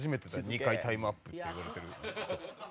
２回タイムアップって言われてる人」